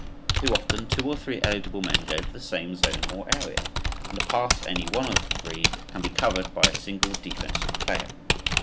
Too often two or three eligible men go to the same zone or area and a pass to any one of the three can be covered by a single defensive player.